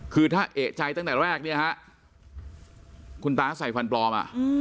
คือถ้าเอกใจตั้งแต่แรกเนี่ยฮะคุณตาใส่ฟันปลอมอ่ะ